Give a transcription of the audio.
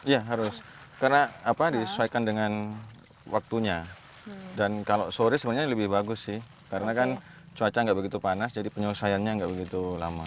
ya harus karena disesuaikan dengan waktunya dan kalau sore sebenarnya lebih bagus sih karena kan cuaca nggak begitu panas jadi penyelesaiannya nggak begitu lama